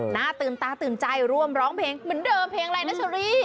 หน้าตื่นตาตื่นใจร่วมร้องเพลงเหมือนเดิมเพลงอะไรนะเชอรี่